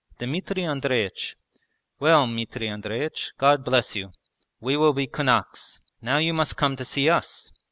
'Dmitri Andreich.' 'Well, 'Mitry Andreich, God bless you. We will be kunaks. Now you must come to see us.